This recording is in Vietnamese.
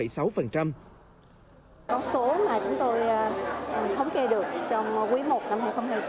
con số mà chúng tôi thống kê được trong quý i năm hai nghìn hai mươi bốn